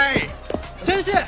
先生！